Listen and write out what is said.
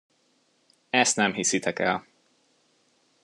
Ezt nem hiszitek el.